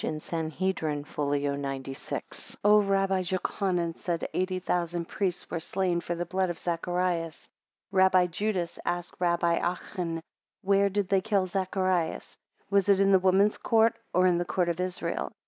in Sanhedr., fol. 96. "O Rabbi Jochanan said, Eighty thousand priests were slain for the blood of Zacharias. Rabbi Judas asked Rabbi Achan, Where did they kill Zacharias? Was it in the woman's court, or in the court of Israel?